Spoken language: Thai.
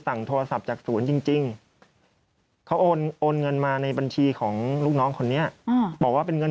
โทรศัพท์จากศูนย์จริงเขาโอนเงินมาในบัญชีของลูกน้องคนนี้บอกว่าเป็นเงิน